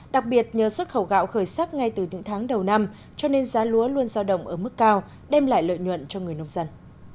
đặc biệt nhờ xuất khẩu gạo khởi sắc ngay từ những tháng đầu năm cho nên giá lúa luôn giao động ở mức cao đem lại lợi nhuận cho người nông dân